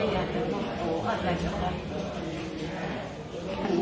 สวัสดีครับ